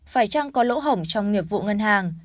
phải chăng có lỗ hỏng trong nghiệp vụ ngân hàng